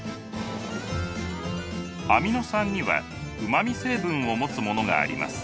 アミノ酸にはうまみ成分を持つものがあります。